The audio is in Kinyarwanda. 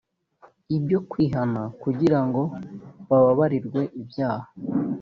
ibyo kwihana kugira ngo bababarirwe ibyaha